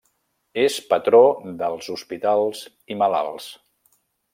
És patró dels hospitals i malalts.